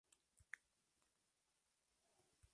No es vinculante con una filosofía, religión o ideología.